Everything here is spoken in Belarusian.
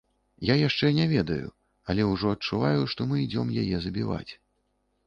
Я яшчэ не ведаю, але ўжо адчуваю, што мы ідзём яе забіваць.